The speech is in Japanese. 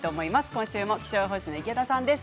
今週も気象予報士の池田さんです。